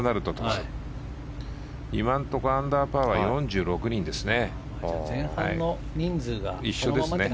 今のところアンダーパーは４６人ですね。